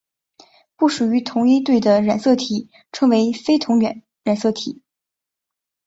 不属于同一对的染色体称为非同源染色体。